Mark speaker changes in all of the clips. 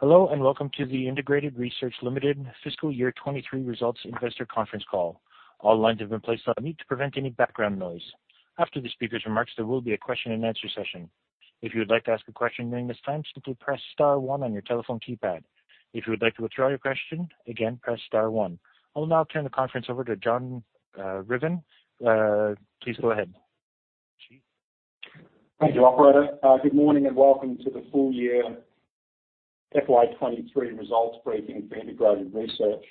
Speaker 1: Hello, and welcome to the Integrated Research Limited Fiscal Year 2023 Results Investor Conference Call. All lines have been placed on mute to prevent any background noise. After the speaker's remarks, there will be a question and answer session. If you would like to ask a question during this time, simply press star one on your telephone keypad. If you would like to withdraw your question, again, press star one. I will now turn the conference over to John Ruthven. Please go ahead.
Speaker 2: Thank you, operator. Good morning, and welcome to the full year FY 2023 results briefing for Integrated Research.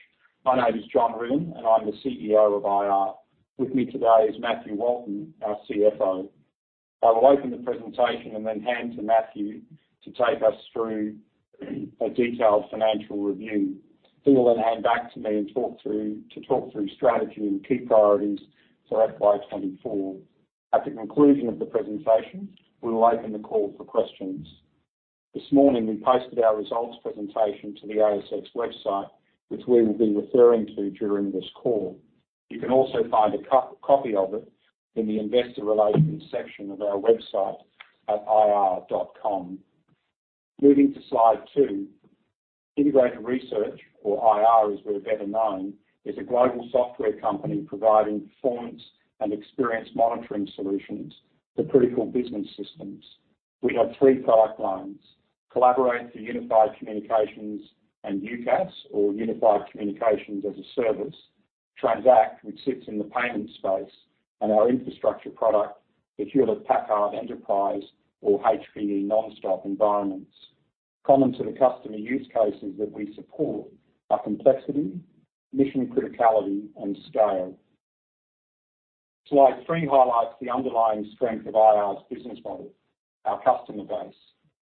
Speaker 2: My name is John Ruthven, and I'm the CEO of IR. With me today is Matthew Walton, our CFO. I will open the presentation and then hand to Matthew to take us through a detailed financial review. He will then hand back to me to talk through strategy and key priorities for FY 2024. At the conclusion of the presentation, we will open the call for questions. This morning, we posted our results presentation to the ASX website, which we will be referring to during this call. You can also find a copy of it in the investor relations section of our website at ir.com. Moving to slide two, Integrated Research, or IR, as we're better known, is a global software company providing performance and experience monitoring solutions to critical business systems. We have three product lines: Collaborate for unified communications and UCaaS, or Unified Communications as a Service, Transact, which sits in the payment space, and our Infrastructure product, the Hewlett Packard Enterprise, or HPE NonStop environments. Common to the customer use cases that we support are complexity, mission criticality, and scale. Slide three highlights the underlying strength of IR's business model, our customer base.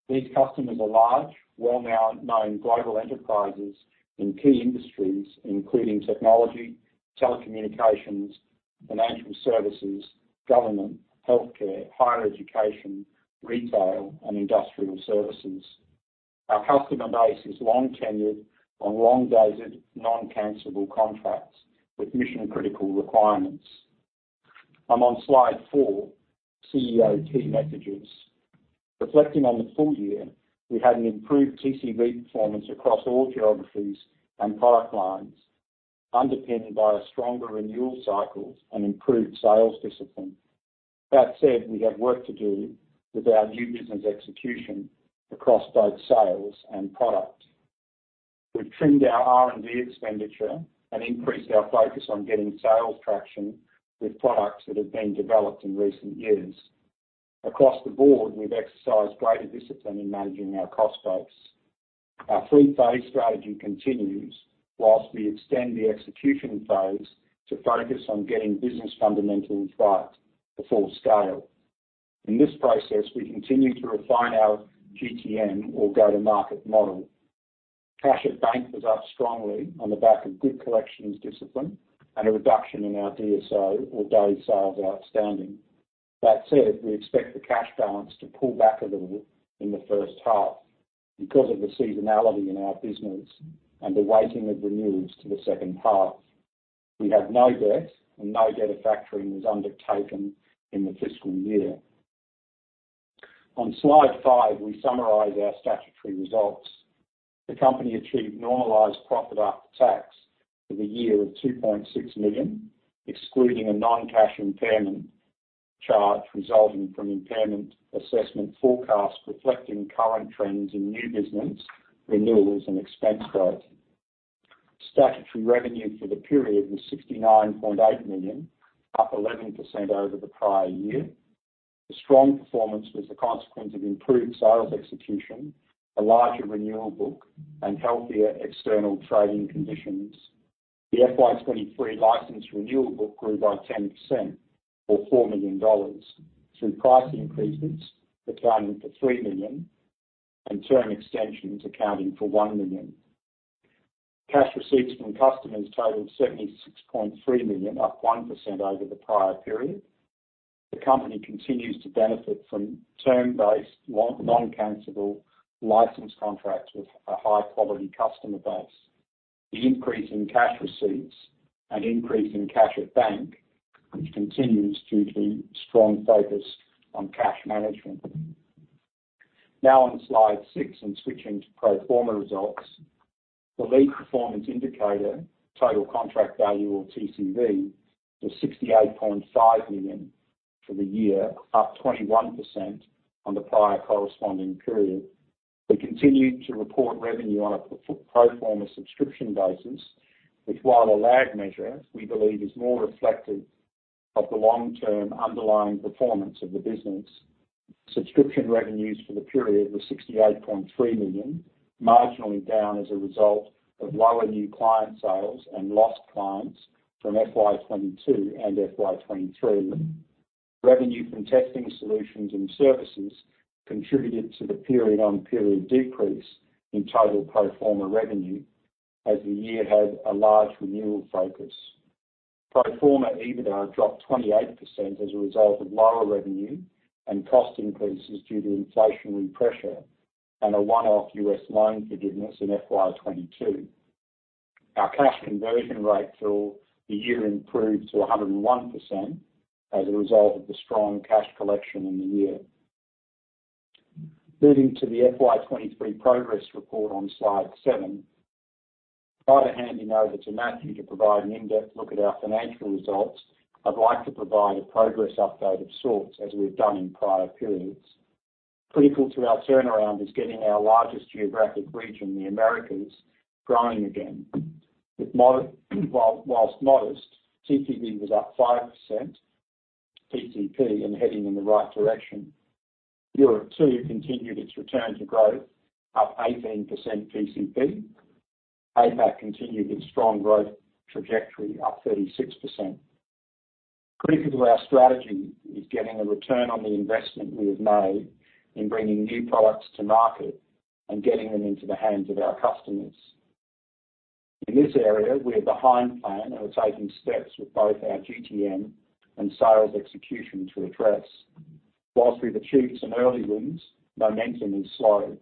Speaker 2: These customers are large, well-known, known global enterprises in key industries, including technology, telecommunications, financial services, government, healthcare, higher education, retail, and industrial services. Our customer base is long-tenured on long-dated, non-cancelable contracts with mission-critical requirements. I'm on slide four, CEO key messages. Reflecting on the full year, we had an improved TCV performance across all geographies and product lines, underpinned by stronger renewal cycles and improved sales discipline. That said, we have work to do with our new business execution across both sales and product. We've trimmed our R&D expenditure and increased our focus on getting sales traction with products that have been developed in recent years. Across the board, we've exercised greater discipline in managing our cost base. Our three-phase strategy continues whilst we extend the execution phase to focus on getting business fundamentals right before scale. In this process, we continue to refine our GTM or go-to-market model. Cash at bank was up strongly on the back of good collections discipline and a reduction in our DSO, or days sales outstanding. That said, we expect the cash balance to pull back a little in the first half because of the seasonality in our business and the weighting of renewals to the second half. We have no debt, and no debt factoring was undertaken in the fiscal year. On slide five, we summarize our statutory results. The company achieved normalized profit after tax for the year of 2.6 million, excluding a non-cash impairment charge resulting from impairment assessment forecast, reflecting current trends in new business, renewals, and expense growth. Statutory revenue for the period was 69.8 million, up 11% over the prior year. The strong performance was a consequence of improved sales execution, a larger renewal book, and healthier external trading conditions. The FY 2023 license renewal book grew by 10%, or 4 million dollars, through price increases accounting for 3 million and term extensions accounting for 1 million. Cash receipts from customers totaled 76.3 million, up 1% over the prior period. The company continues to benefit from term-based, non-cancelable license contracts with a high-quality customer base. The increase in cash receipts and increase in cash at bank, which continues due to strong focus on cash management. Now, on slide six and switching to pro forma results, the lead performance indicator, Total Contract Value, or TCV, was 68.5 million for the year, up 21% on the prior corresponding period. We continued to report revenue on a pro forma subscription basis, which, while a lag measure, we believe is more reflective of the long-term underlying performance of the business. Subscription revenues for the period were 68.3 million, marginally down as a result of lower new client sales and lost clients from FY 2022 and FY 2023. Revenue from testing solutions and services contributed to the period-on-period decrease in total pro forma revenue, as the year had a large renewal focus. Pro forma EBITDA dropped 28% as a result of lower revenue and cost increases due to inflationary pressure and a one-off US loan forgiveness in FY 2022. Our cash conversion rate for the year improved to 101% as a result of the strong cash collection in the year. Moving to the FY 2023 progress report on slide seven. I'll hand you over to Matthew to provide an in-depth look at our financial results. I'd like to provide a progress update of sorts, as we've done in prior periods. Critical to our turnaround is getting our largest geographic region, the Americas, growing again. While modest, TCV was up 5% PCP and heading in the right direction. Europe, too, continued its return to growth, up 18% PCP. APAC continued its strong growth trajectory, up 36%. Critical to our strategy is getting a return on the investment we have made in bringing new products to market and getting them into the hands of our customers. In this area, we are behind plan and are taking steps with both our GTM and sales execution to address. While we've achieved some early wins, momentum is slow.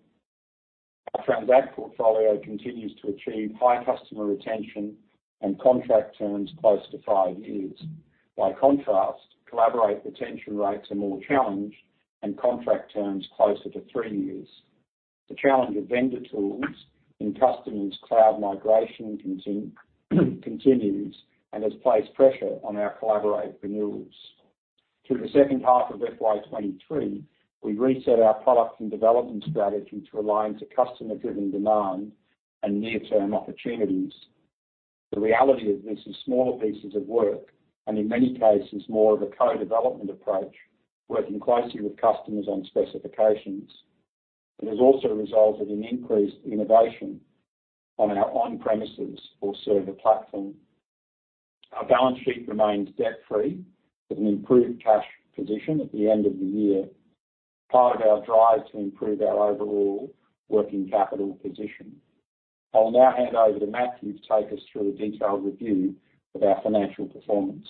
Speaker 2: Our Transact portfolio continues to achieve high customer retention and contract terms close to five years. By contrast, Collaborate retention rates are more challenged and contract terms closer to three years. The challenge of vendor tools in customers' cloud migration continues and has placed pressure on our Collaborate renewals. Through the second half of FY 2023, we reset our product and development strategy to align to customer-driven demand and near-term opportunities. The reality of this is smaller pieces of work, and in many cases, more of a co-development approach, working closely with customers on specifications. It has also resulted in increased innovation on our on-premises or server platform. Our balance sheet remains debt-free, with an improved cash position at the end of the year, part of our drive to improve our overall working capital position. I will now hand over to Matthew to take us through a detailed review of our financial performance.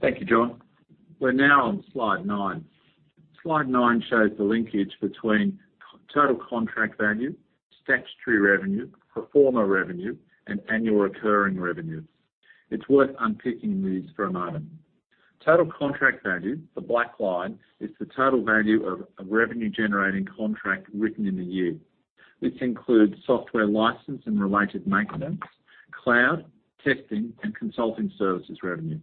Speaker 3: Thank you, John. We're now on slide nine. Slide nine shows the linkage between total contract value, statutory revenue, pro forma revenue, and annual recurring revenues. It's worth unpicking these for a moment. Total contract value, the black line, is the total value of a revenue-generating contract written in the year. This includes software license and related maintenance, cloud, testing, and consulting services revenue.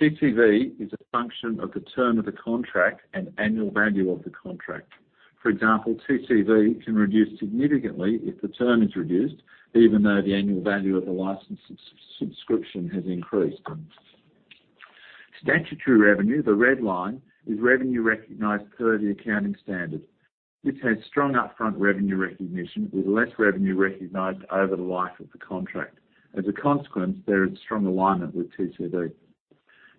Speaker 3: TCV is a function of the term of the contract and annual value of the contract. For example, TCV can reduce significantly if the term is reduced, even though the annual value of the license subscription has increased. Statutory revenue, the red line, is revenue recognized per the accounting standard. This has strong upfront revenue recognition, with less revenue recognized over the life of the contract. As a consequence, there is strong alignment with TCV.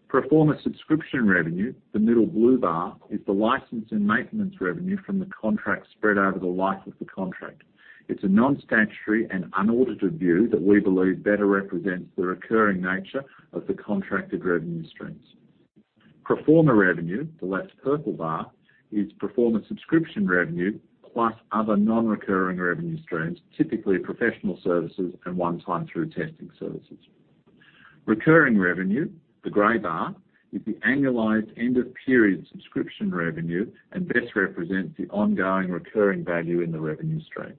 Speaker 3: Pro forma subscription revenue, the middle blue bar, is the license and maintenance revenue from the contract spread over the life of the contract. It's a non-statutory and unaudited view that we believe better represents the recurring nature of the contracted revenue streams. Pro forma revenue, the left purple bar, is pro forma subscription revenue, plus other non-recurring revenue streams, typically professional services and one-time through testing services. Recurring revenue, the gray bar, is the annualized end-of-period subscription revenue and best represents the ongoing recurring value in the revenue stream.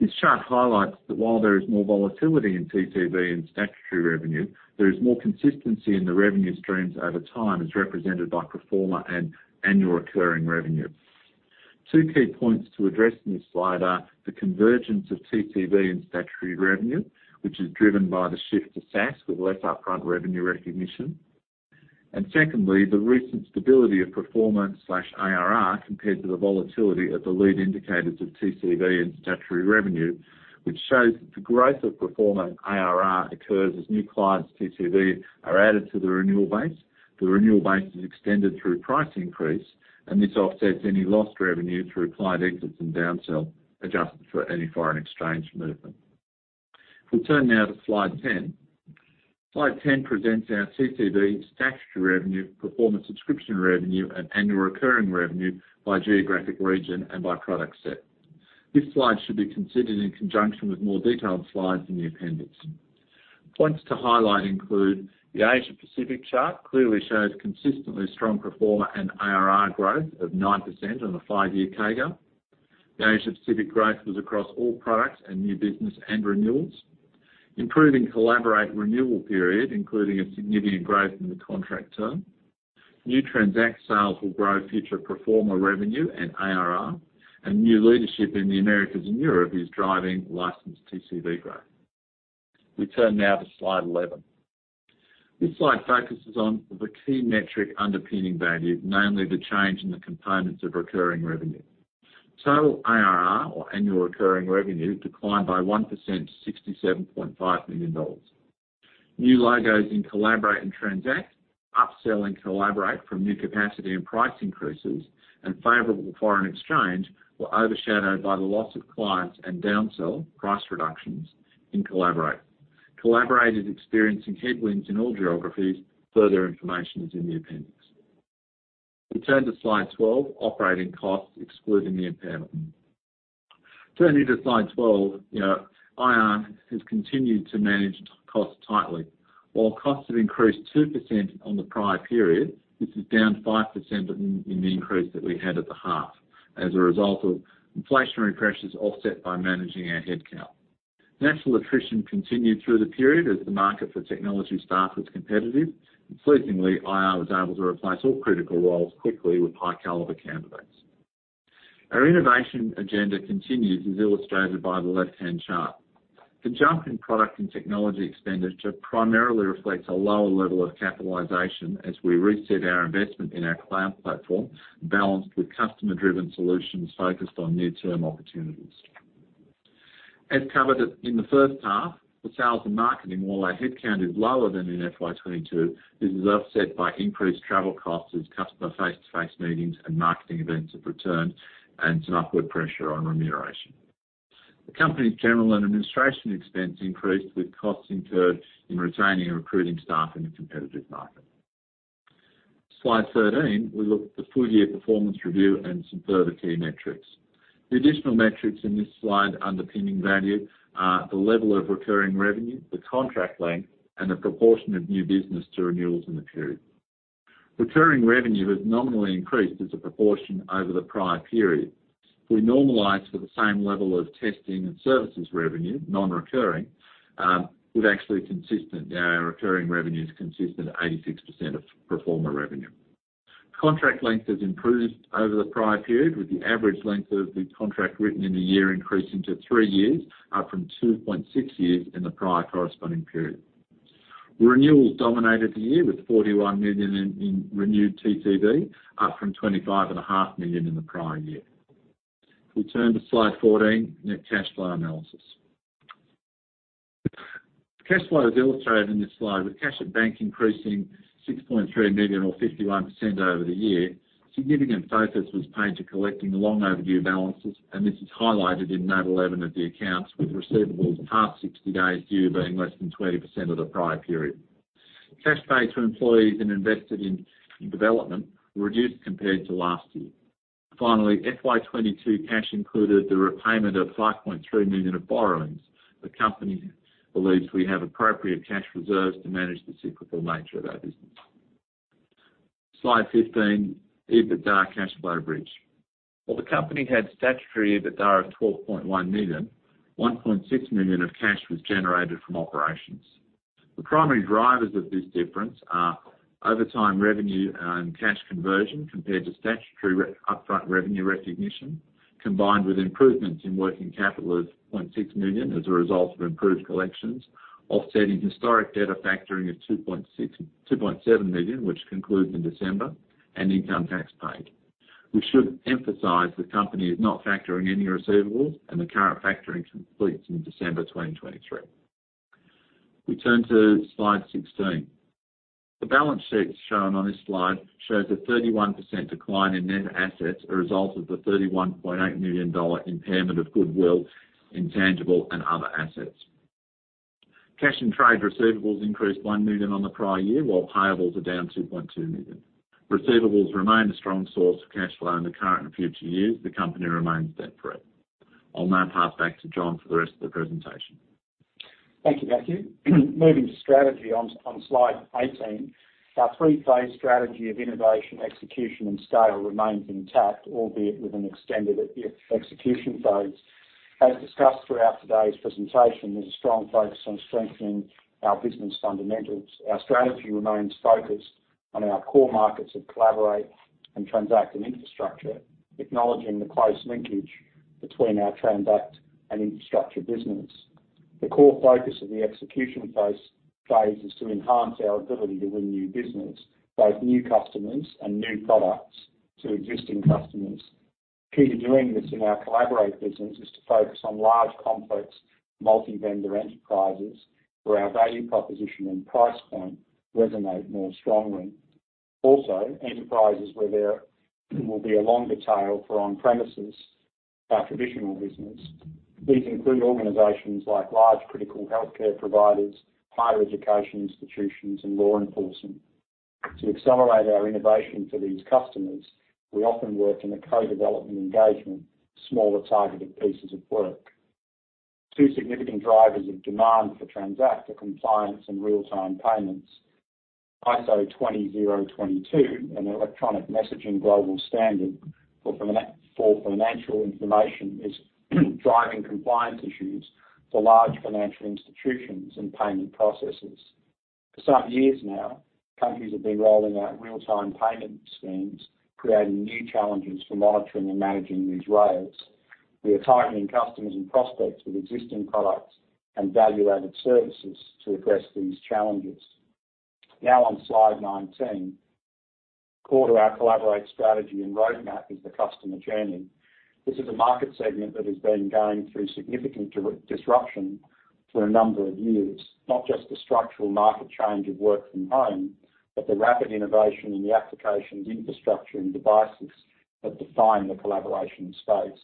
Speaker 3: This chart highlights that while there is more volatility in TCV and statutory revenue, there is more consistency in the revenue streams over time, as represented by pro forma and annual recurring revenue. Two key points to address in this slide are the convergence of TCV and statutory revenue, which is driven by the shift to SaaS, with less upfront revenue recognition. Secondly, the recent stability of pro forma/ARR compared to the volatility of the lead indicators of TCV and statutory revenue, which shows that the growth of pro forma and ARR occurs as new clients' TCV are added to the renewal base. The renewal base is extended through price increase, and this offsets any lost revenue through client exits and downsell, adjusted for any foreign exchange movement. We turn now to slide 10. Slide 10 presents our TCV, statutory revenue, pro forma subscription revenue, and annual recurring revenue by geographic region and by product set. This slide should be considered in conjunction with more detailed slides in the appendix. Points to highlight include: the Asia Pacific chart clearly shows consistently strong pro forma and ARR growth of 9% on a five-year CAGR. The Asia Pacific growth was across all products and new business and renewals. Improving Collaborate renewal period, including a significant growth in the contract term. New Transact sales will grow future pro forma revenue and ARR, and new leadership in the Americas and Europe is driving licensed TCV growth. We turn now to slide 11. This slide focuses on the key metric underpinning value, namely the change in the components of recurring revenue. Total ARR, or annual recurring revenue, declined by 1% to 67.5 million dollars. New logos in Collaborate and Transact, upselling Collaborate from new capacity and price increases, and favorable foreign exchange were overshadowed by the loss of clients and downsell, price reductions in Collaborate. Collaborate is experiencing headwinds in all geographies. Further information is in the appendix. We turn to Slide 12, operating costs, excluding the impairment. Turning to Slide 12, you know, IR has continued to manage cost tightly. While costs have increased 2% on the prior period, this is down 5% in the increase that we had at the half, as a result of inflationary pressures offset by managing our headcount. Natural attrition continued through the period as the market for technology staff was competitive. Pleasingly, IR was able to replace all critical roles quickly with high caliber candidates. Our innovation agenda continues, as illustrated by the left-hand chart. The jump in product and technology expenditure primarily reflects a lower level of capitalization as we reset our investment in our cloud platform, balanced with customer-driven solutions focused on near-term opportunities. As covered in the first half, the sales and marketing, while our headcount is lower than in FY 2022, this is offset by increased travel costs as customer face-to-face meetings and marketing events have returned and some upward pressure on remuneration. The company's general and administration expense increased, with costs incurred in retaining and recruiting staff in a competitive market. Slide 13, we look at the full-year performance review and some further key metrics. The additional metrics in this slide underpinning value are the level of recurring revenue, the contract length, and the proportion of new business to renewals in the period. Recurring revenue has nominally increased as a proportion over the prior period. We normalize for the same level of testing and services revenue, non-recurring, with actually consistent. Our recurring revenue is consistent at 86% of pro forma revenue. Contract length has improved over the prior period, with the average length of the contract written in the year increasing to three years, up from 2.6 years in the prior corresponding period. Renewals dominated the year, with 41 million in renewed TCV, up from 25.5 million in the prior year. We turn to Slide 14, net cash flow analysis. Cash flow is illustrated in this slide, with cash at bank increasing 6.3 million, or 51% over the year. Significant focus was paid to collecting long overdue balances, and this is highlighted in Note 11 of the accounts, with receivables past 60 days due being less than 20% of the prior period. Cash paid to employees and invested in development reduced compared to last year. Finally, FY 2022 cash included the repayment of 5.3 million of borrowings. The company believes we have appropriate cash reserves to manage the cyclical nature of our business. Slide 15, EBITDA cash flow bridge. While the company had statutory EBITDA of 12.1 million, 1.6 million of cash was generated from operations. The primary drivers of this difference are overtime revenue and cash conversion, compared to statutory upfront revenue recognition, combined with improvements in working capital of 0.6 million as a result of improved collections, offsetting historic debtor factoring of 2.7 million, which concludes in December, and income tax paid. We should emphasize the company is not factoring any receivables, and the current factoring completes in December 2023. We turn to Slide 16. The balance sheet shown on this slide shows a 31% decline in net assets, a result of the AUD 31.8 million impairment of goodwill, intangible, and other assets. Cash and trade receivables increased 1 million on the prior year, while payables are down 2.2 million. Receivables remain a strong source of cash flow in the current and future years. The company remains debt-free. I'll now pass back to John for the rest of the presentation.
Speaker 2: Thank you, Matthew. Moving to strategy on Slide 18, our three-phase strategy of innovation, execution, and scale remains intact, albeit with an extended execution phase. As discussed throughout today's presentation, there's a strong focus on strengthening our business fundamentals. Our strategy remains focused on our core markets of Collaborate and Transact, and Infrastructure, acknowledging the close linkage between our Transact and Infrastructure business. The core focus of the execution phase is to enhance our ability to win new business, both new customers and new products to existing customers. Key to doing this in our Collaborate business is to focus on large, complex, multi-vendor enterprises, where our value proposition and price point resonate more strongly. Also, enterprises where there will be a longer tail for on-premises, our traditional business. These include organizations like large critical healthcare providers, higher education institutions, and law enforcement. To accelerate our innovation for these customers, we often work in a co-development engagement, smaller, targeted pieces of work. Two significant drivers of demand for Transact are compliance and real-time payments. ISO 20022, an electronic messaging global standard for financial information, is driving compliance issues for large financial institutions and payment processors. For some years now, countries have been rolling out real-time payment schemes, creating new challenges for monitoring and managing these rails. We are targeting customers and prospects with existing products and value-added services to address these challenges. Now, on Slide 19, core to our Collaborate strategy and roadmap is the customer journey. This is a market segment that has been going through significant disruption for a number of years. Not just the structural market change of work from home, but the rapid innovation in the applications, infrastructure, and devices that define the collaboration space.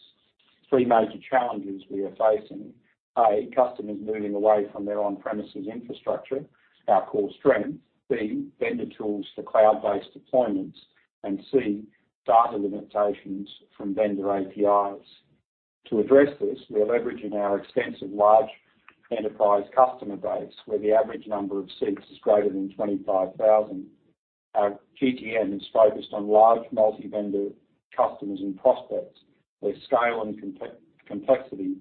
Speaker 2: Three major challenges we are facing. A, customers moving away from their on-premises infrastructure, our core strength. B, vendor tools for cloud-based deployments, and C, data limitations from vendor APIs. To address this, we are leveraging our extensive large enterprise customer base, where the average number of seats is greater than 25,000. Our GTM is focused on large multi-vendor customers and prospects, where scale and complexity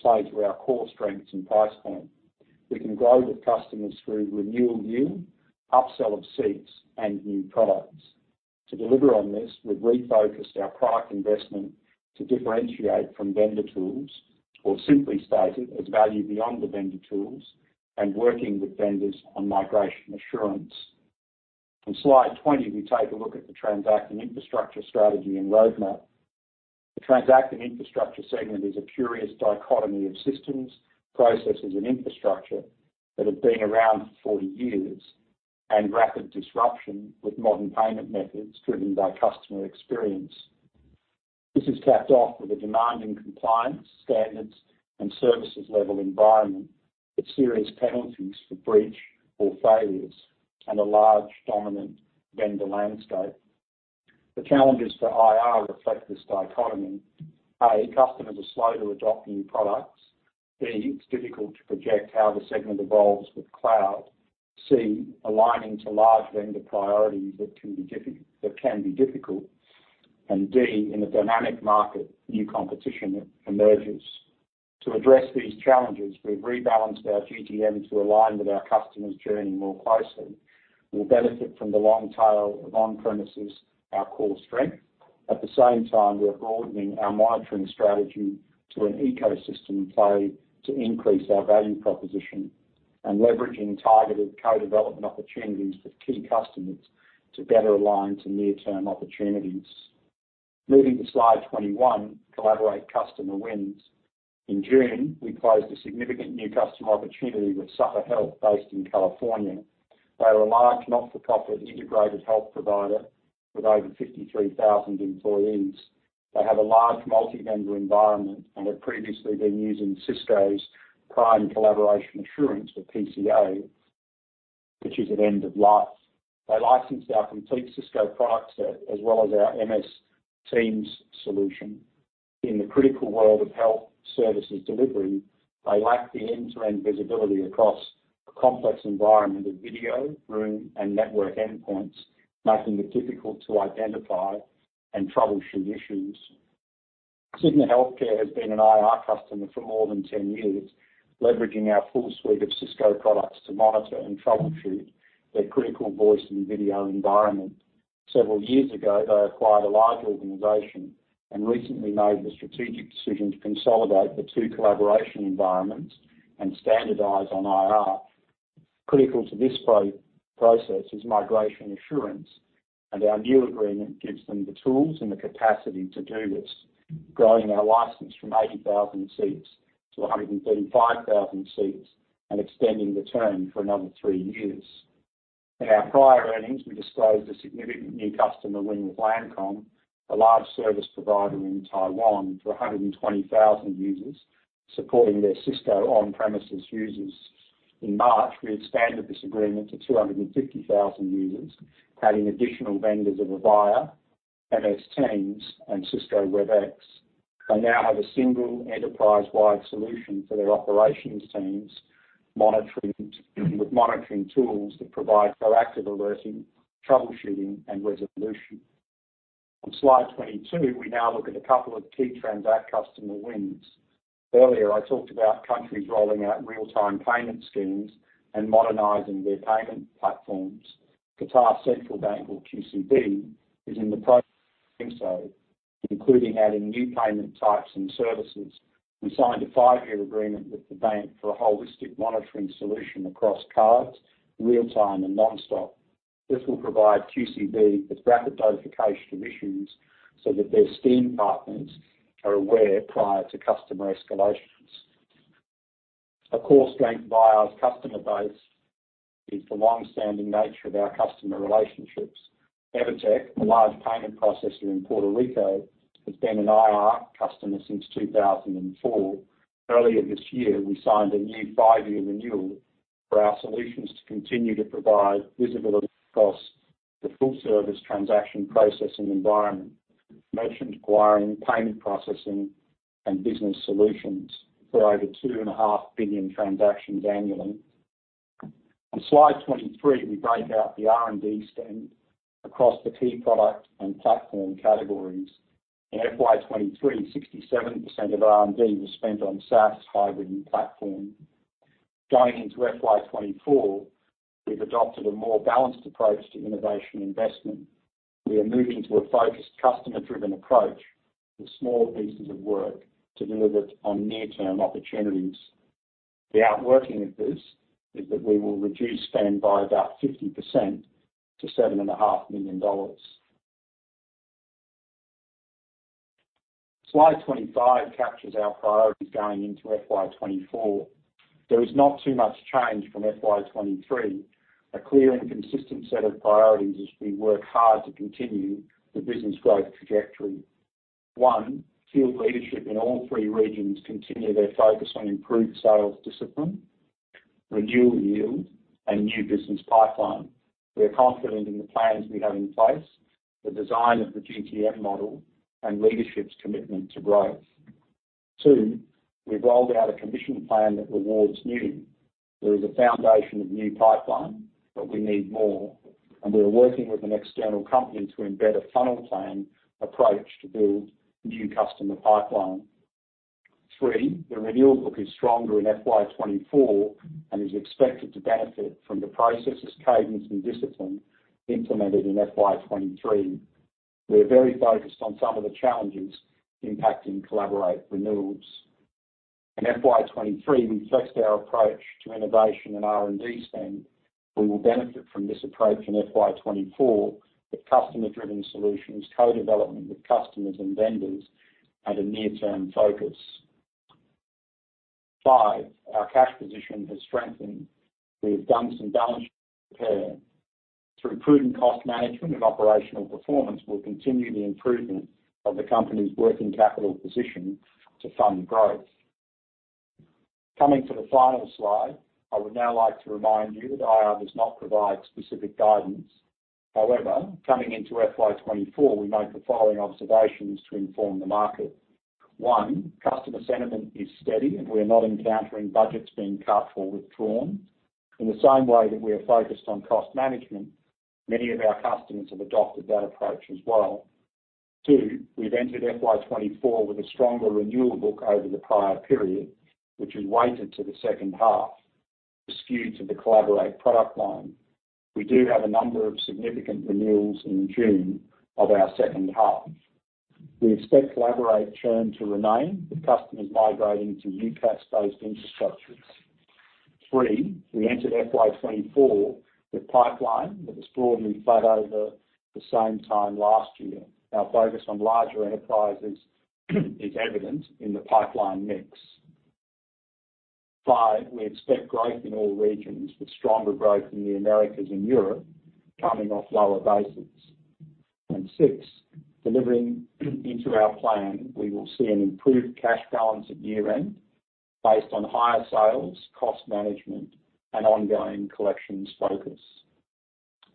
Speaker 2: play to our core strengths and price point. We can grow with customers through renew and new, upsell of seats, and new products. To deliver on this, we've refocused our product investment to differentiate from vendor tools, or simply stated, as value beyond the vendor tools and working with vendors on migration assurance. On slide 20, we take a look at the Transact Infrastructure strategy and roadmap. The Transact Infrastructure segment is a curious dichotomy of systems, processes, and infrastructure that have been around for 40 years, and rapid disruption with modern payment methods driven by customer experience. This is capped off with a demanding compliance, standards, and services level environment, with serious penalties for breach or failures and a large dominant vendor landscape. The challenges for IR reflect this dichotomy. A, customers are slow to adopt new products. B, it's difficult to project how the segment evolves with cloud. C, aligning to large vendor priorities that can be difficult. And D, in a dynamic market, new competition emerges. To address these challenges, we've rebalanced our GTM to align with our customers' journey more closely. We'll benefit from the long tail of on-premises, our core strength. At the same time, we are broadening our monitoring strategy to an ecosystem play to increase our value proposition, and leveraging targeted co-development opportunities with key customers to better align to near-term opportunities. Moving to slide 21, Collaborate customer wins. In June, we closed a significant new customer opportunity with Sutter Health based in California. They are a large, not-for-profit, integrated health provider with over 53,000 employees. They have a large multi-vendor environment and have previously been using Cisco's Prime Collaboration Assurance, or PCA, which is at end of life. They licensed our complete Cisco product set, as well as our MS Teams solution. In the critical world of health services delivery, they lack the end-to-end visibility across a complex environment of video, room, and network endpoints, making it difficult to identify and troubleshoot issues. Cigna Healthcare has been an IR customer for more than 10 years, leveraging our full suite of Cisco products to monitor and troubleshoot their critical voice and video environment. Several years ago, they acquired a large organization and recently made the strategic decision to consolidate the two collaboration environments and standardize on IR. Critical to this process is migration assurance, and our new agreement gives them the tools and the capacity to do this, growing our license from 80,000 seats to 135,000 seats and extending the term for another three years. In our prior earnings, we disclosed a significant new customer win with Lancom, a large service provider in Taiwan, for 120,000 users, supporting their Cisco on-premises users. In March, we expanded this agreement to 250,000 users, adding additional vendors of Avaya, MS Teams, and Cisco Webex. They now have a single enterprise-wide solution for their operations teams, monitoring, with monitoring tools that provide proactive alerting, troubleshooting, and resolution. On slide 22, we now look at a couple of key Transact customer wins. Earlier, I talked about countries rolling out real-time payment schemes and modernizing their payment platforms. Qatar Central Bank, or QCB, is in the process of doing so, including adding new payment types and services. We signed a five-year agreement with the bank for a holistic monitoring solution across cards, real-time, and NonStop. This will provide QCB with rapid notification of issues, so that their scheme partners are aware prior to customer escalations. A core strength of our customer base is the long-standing nature of our customer relationships. Evertec, a large payment processor in Puerto Rico, has been an IR customer since 2004. Earlier this year, we signed a new five-year renewal for our solutions to continue to provide visibility across the full-service transaction processing environment, merchant acquiring, payment processing, and business solutions for over 2.5 billion transactions annually. On slide 23, we break out the R&D spend across the key product and platform categories. In FY 2023, 67% of R&D was spent on SaaS hybrid and platform. Going into FY 2024, we've adopted a more balanced approach to innovation investment. We are moving to a focused, customer-driven approach with small pieces of work to deliver on near-term opportunities. The outworking of this is that we will reduce spend by about 50% to 7.5 million dollars. Slide 25 captures our priorities going into FY 2024.... There is not too much change from FY 2023, a clear and consistent set of priorities as we work hard to continue the business growth trajectory. One, field leadership in all three regions continue their focus on improved sales discipline, renewal yield, and new business pipeline. We are confident in the plans we have in place, the design of the GTM model, and leadership's commitment to growth. Two, we've rolled out a commission plan that rewards new. There is a foundation of new pipeline, but we need more, and we are working with an external company to embed a funnel plan approach to build new customer pipeline. Three, the renewal book is stronger in FY 2024 and is expected to benefit from the processes, cadence, and discipline implemented in FY 2023. We're very focused on some of the challenges impacting Collaborate renewals. In FY 2023, we flexed our approach to innovation and R&D spend. We will benefit from this approach in FY 2024, with customer-driven solutions, co-development with customers and vendors, and a near-term focus. Five, our cash position has strengthened. We've done some balance sheet repair. Through prudent cost management and operational performance, we'll continue the improvement of the company's working capital position to fund growth. Coming to the final slide, I would now like to remind you that IR does not provide specific guidance. However, coming into FY 2024, we make the following observations to inform the market. One, customer sentiment is steady, and we're not encountering budgets being cut or withdrawn. In the same way that we are focused on cost management, many of our customers have adopted that approach as well. Two, we've entered FY 2024 with a stronger renewal book over the prior period, which is weighted to the second half, skewed to the Collaborate product line. We do have a number of significant renewals in June of our second half. We expect Collaborate churn to remain, with customers migrating to UCaaS-based infrastructures. Three, we entered FY 2024 with pipeline that was broadly flat over the same time last year. Our focus on larger enterprises is evident in the pipeline mix. Five, we expect growth in all regions, with stronger growth in the Americas and Europe, coming off lower bases. And Six, delivering into our plan, we will see an improved cash balance at year-end based on higher sales, cost management, and ongoing collections focus.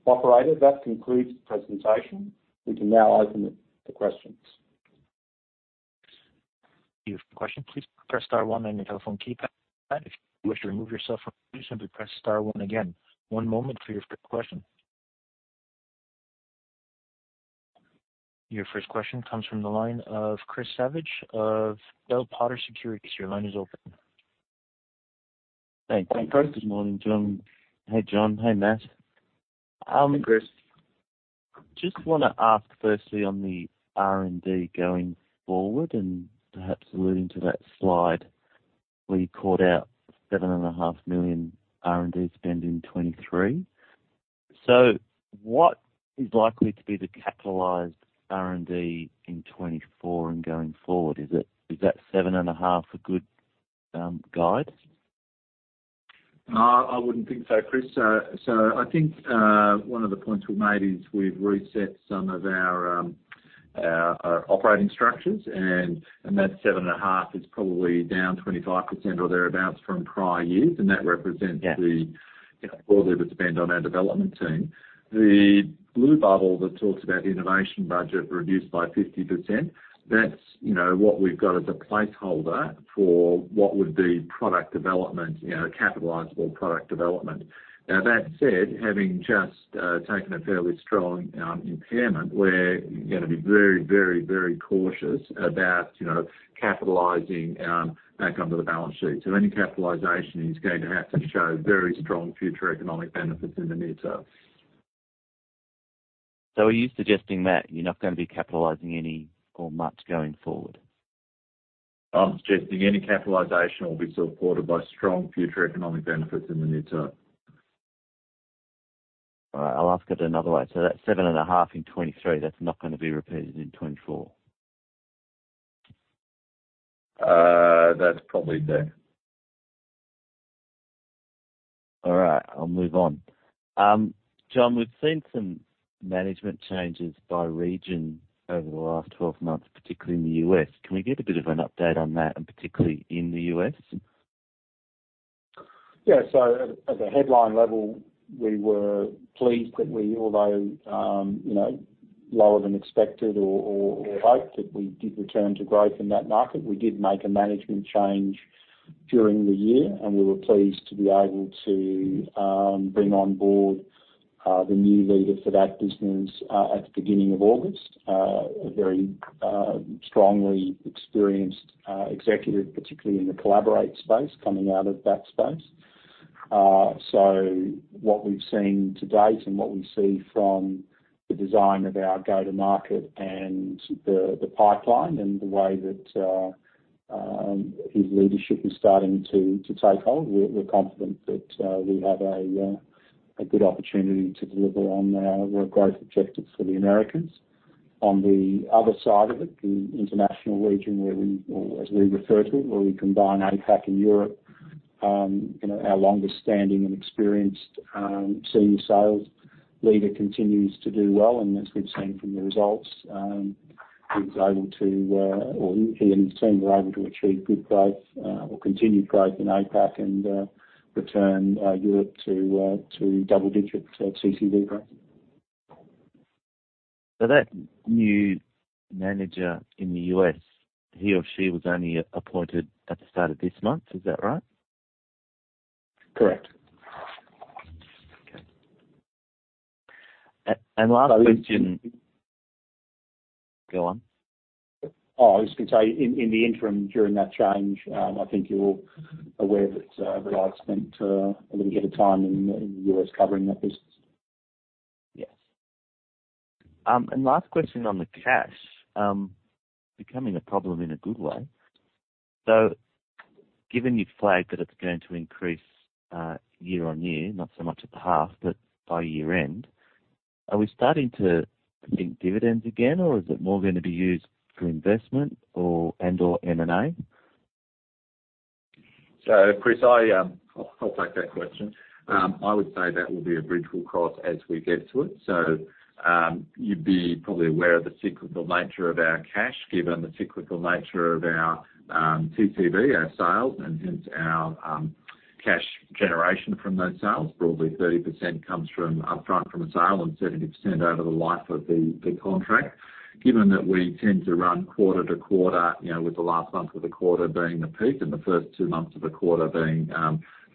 Speaker 2: Operator, that concludes the presentation. We can now open it to questions.
Speaker 1: If you have a question, please press star one on your telephone keypad. If you wish to remove yourself from queue, simply press star one again. One moment for your first question. Your first question comes from the line of Chris Savage of Bell Potter Securities. Your line is open.
Speaker 4: Thanks. Good morning, John. Hey, John. Hey, Matthew.
Speaker 2: Hi, Chris.
Speaker 4: Just want to ask, firstly, on the R&D going forward, and perhaps alluding to that slide, where you called out AUD 7.5 million R&D spend in 2023. So what is likely to be the capitalized R&D in 2024 and going forward? Is it that 7.5 a good guide?
Speaker 3: I wouldn't think so, Chris. So I think, one of the points we've made is we've reset some of our operating structures, and that 7.5 is probably down 25% or thereabouts from prior years, and that represents-
Speaker 4: Yeah.
Speaker 3: You know, all of the spend on our development team. The blue bubble that talks about innovation budget reduced by 50%, that's, you know, what we've got as a placeholder for what would be product development, you know, capitalizable product development. Now, that said, having just taken a fairly strong impairment, we're going to be very, very, very cautious about, you know, capitalizing back onto the balance sheet. So any capitalization is going to have to show very strong future economic benefits in the near term.
Speaker 4: Are you suggesting, Matthew, you're not going to be capitalizing any or much going forward?
Speaker 3: I'm suggesting any capitalization will be supported by strong future economic benefits in the near term.
Speaker 4: All right. I'll ask it another way. So that AUD 7.5 in 2023, that's not going to be repeated in 2024?
Speaker 3: That's probably fair.
Speaker 4: All right. I'll move on. John, we've seen some management changes by region over the last 12 months, particularly in the U.S. Can we get a bit of an update on that, and particularly in the U.S.?
Speaker 2: Yeah. So at a headline level, we were pleased that we, although you know lower than expected or hoped, that we did return to growth in that market. We did make a management change during the year, and we were pleased to be able to bring on board the new leader for that business at the beginning of August. A very strongly experienced executive, particularly in the Collaborate space, coming out of that space. So what we've seen to date and what we see from the design of our go-to-market and the pipeline and the way that his leadership is starting to take hold, we're confident that we have a good opportunity to deliver on our growth objectives for the Americas. On the other side of it, the international region, where we, or as we refer to it, where we combine APAC and Europe, you know, our longest standing and experienced senior sales leader continues to do well. And as we've seen from the results, he was able to, or he and his team were able to achieve good growth, or continued growth in APAC and return Europe to double-digit TCV growth.
Speaker 4: So that new manager in the U.S., he or she was only appointed at the start of this month, is that right?
Speaker 2: Correct.
Speaker 4: Okay. And last question. Go on.
Speaker 2: Oh, I was going to say, in, in the interim, during that change, I think you're aware that, that I'd spent, a little bit of time in, in the US covering that business.
Speaker 4: Yes. Last question on the cash becoming a problem in a good way. So given you flagged that it's going to increase year-on-year, not so much at half, but by year-end, are we starting to think dividends again, or is it more going to be used for investment or, and/or M&A?
Speaker 3: So, Chris, I, I'll take that question. I would say that will be a bridge we'll cross as we get to it. So, you'd be probably aware of the cyclical nature of our cash, given the cyclical nature of our, TCV, our sales, and hence our, cash generation from those sales. Broadly, 30% comes from upfront from a sale and 70% over the life of the, the contract. Given that we tend to run quarter to quarter, you know, with the last month of the quarter being the peak and the first two months of the quarter being,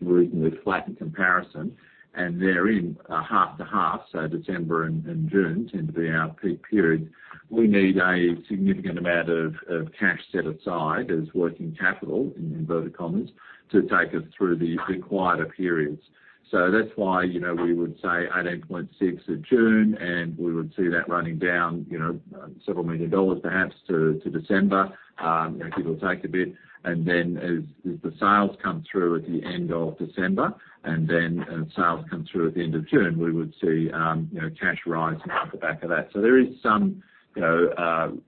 Speaker 3: reasonably flat in comparison, and they're in, half to half, so December and, and June tend to be our peak periods. We need a significant amount of cash set aside as working capital, in inverted commas, to take us through the quieter periods. So that's why, you know, we would say 18.6 million in June, and we would see that running down, you know, several million AUD perhaps to December. It'll take a bit, and then as the sales come through at the end of December, and then as sales come through at the end of June, we would see, you know, cash rising off the back of that. So there is some, you know,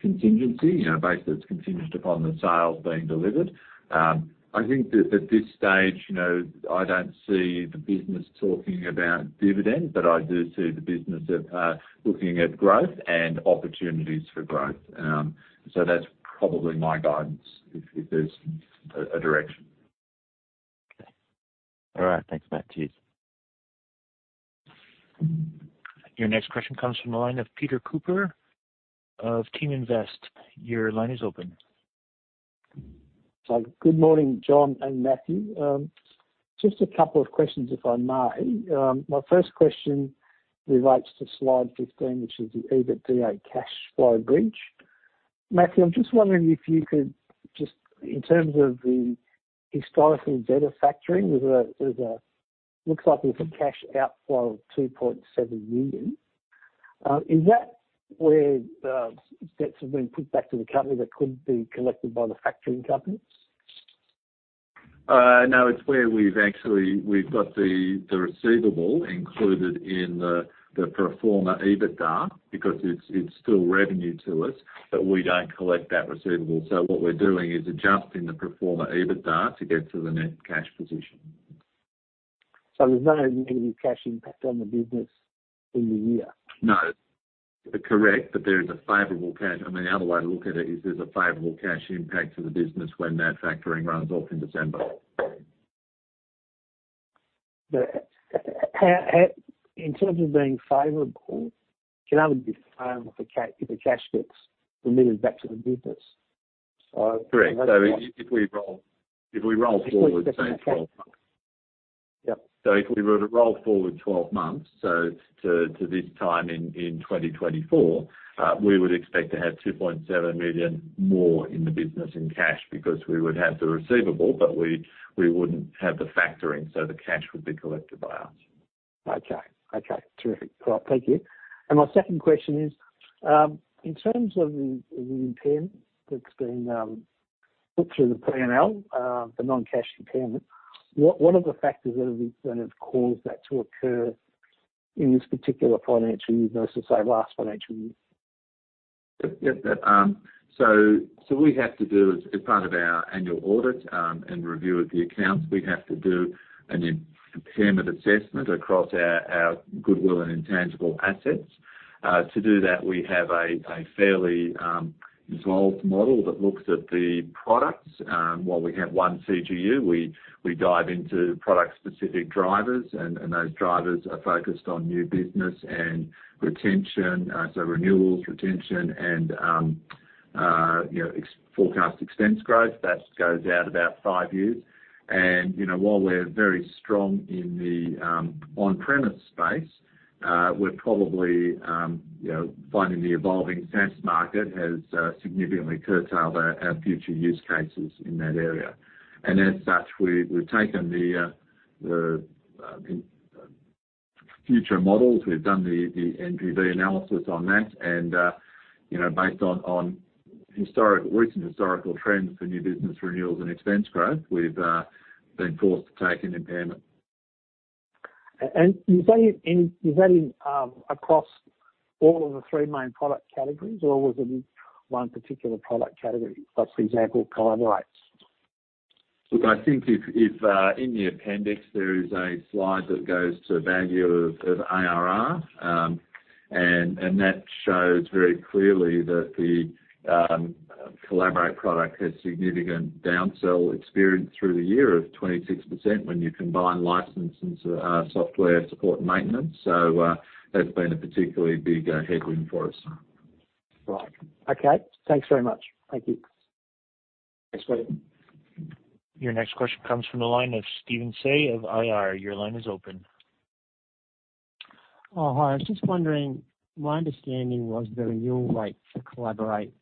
Speaker 3: contingency, you know, base that's contingent upon the sales being delivered. I think that at this stage, you know, I don't see the business talking about dividend, but I do see the business of looking at growth and opportunities for growth. So that's probably my guidance, if there's a direction.
Speaker 4: Okay. All right. Thanks, Matthew. Cheers.
Speaker 1: Your next question comes from the line of Peter Cooper of Team Invest. Your line is open.
Speaker 5: So good morning, John and Matthew. Just a couple of questions, if I may. My first question relates to slide 15, which is the EBITDA cash flow bridge. Matthew, I'm just wondering if you could just in terms of the historical data factoring, looks like there's a cash outflow of 2.7 million. Is that where the debts have been put back to the company that could be collected by the factoring companies?
Speaker 3: No, it's where we've actually, we've got the receivable included in the pro forma EBITDA because it's still revenue to us, but we don't collect that receivable. So what we're doing is adjusting the pro forma EBITDA to get to the net cash position.
Speaker 5: There's no negative cash impact on the business in the year?
Speaker 3: No. Correct, but there is a favorable cash. I mean, the other way to look at it is there's a favorable cash impact to the business when that factoring runs off in December.
Speaker 5: But how, in terms of being favorable, can only be favorable if the cash gets remitted back to the business. So-
Speaker 3: Correct. So if we roll forward 12 months.
Speaker 5: Yep.
Speaker 3: So if we were to roll forward 12 months, so to this time in 2024, we would expect to have 2.7 million more in the business in cash because we would have the receivable, but we wouldn't have the factoring, so the cash would be collected by us.
Speaker 5: Okay. Okay, terrific. Well, thank you. My second question is, in terms of the impairment that's been put through the P&L, the non-cash impairment, what are the factors that have been kind of caused that to occur in this particular financial year versus, say, last financial year?
Speaker 3: Yep. Yep. So we have to do as part of our annual audit and review of the accounts, we have to do an impairment assessment across our goodwill and intangible assets. To do that, we have a fairly involved model that looks at the products. While we have one CGU, we dive into product-specific drivers, and those drivers are focused on new business and retention, so renewals, retention and, you know, forecast expense growth. That goes out about five years. And, you know, while we're very strong in the on-premise space, we're probably, you know, finding the evolving SaaS market has significantly curtailed our future use cases in that area. And as such, we've taken the future models. We've done the NPV analysis on that, and you know, based on recent historical trends for new business renewals and expense growth, we've been forced to take an impairment. ...
Speaker 5: And is that in across all of the three main product categories, or was it in one particular product category? Like, for example, Collaborate?
Speaker 3: Look, I think if in the appendix, there is a slide that goes to the value of ARR. And that shows very clearly that the Collaborate product has significant downsell experience through the year of 26% when you combine license and SaaS software support and maintenance. So, that's been a particularly big headwind for us.
Speaker 5: Right. Okay, thanks very much. Thank you.
Speaker 3: Thanks, buddy.
Speaker 1: Your next question comes from the line of Steven Se of IR. Your line is open.
Speaker 6: Oh, hi. I was just wondering, my understanding was the renewal rate for Collaborate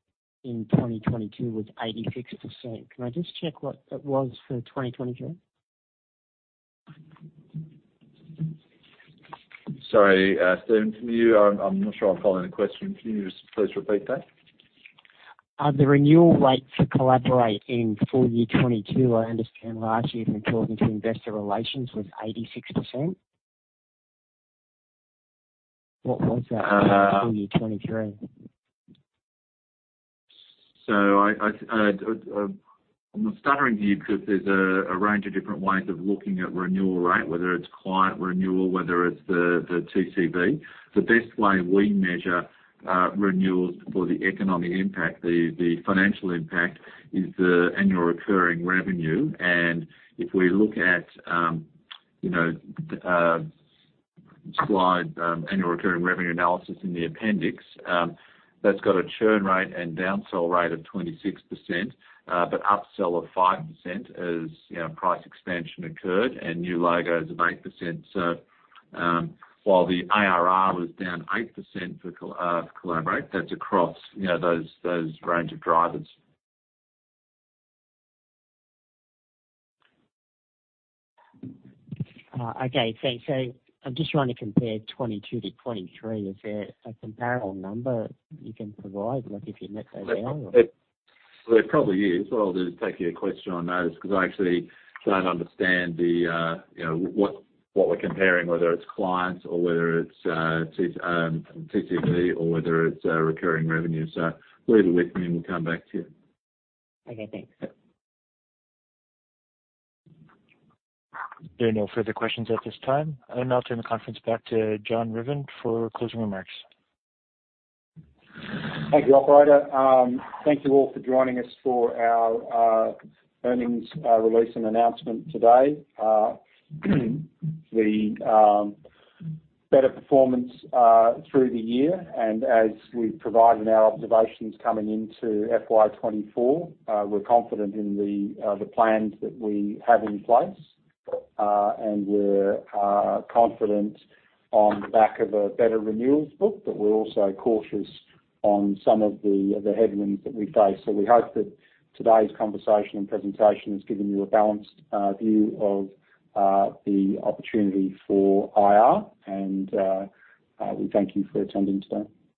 Speaker 6: in 2022 was 86%. Can I just check what that was for 2023?
Speaker 3: Sorry, Steven, can you—I'm not sure I'm following the question. Can you just please repeat that?
Speaker 6: The renewal rate for Collaborate in full year 2022, I understand last year from talking to investor relations, was 86%. What was that for full year 2023?
Speaker 3: So I'm stuttering here because there's a range of different ways of looking at renewal rate, whether it's client renewal, whether it's the TCV. The best way we measure renewals for the economic impact, the financial impact is the annual recurring revenue. And if we look at, you know, slide annual recurring revenue analysis in the appendix, that's got a churn rate and down sell rate of 26%, but upsell of 5% as, you know, price expansion occurred and new logos of 8%. So while the ARR was down 8% for Collaborate, that's across, you know, those range of drivers.
Speaker 6: Okay, thanks. So I'm just trying to compare 2022 to 2023. Is there a comparable number you can provide, like, if you net that down?
Speaker 3: There probably is. What I'll do is take your question on notice because I actually don't understand the, you know, what we're comparing, whether it's clients or whether it's TCV, or whether it's recurring revenue. So we'll look and we'll come back to you.
Speaker 6: Okay, thanks.
Speaker 3: Yep.
Speaker 1: There are no further questions at this time. I'll now turn the conference back to John Ruthven for closing remarks.
Speaker 2: Thank you, operator. Thank you all for joining us for our earnings release and announcement today. The better performance through the year and as we've provided in our observations coming into FY 2024, we're confident in the plans that we have in place. We're confident on the back of a better renewals book, but we're also cautious on some of the headwinds that we face. We hope that today's conversation and presentation has given you a balanced view of the opportunity for IR, and we thank you for attending today.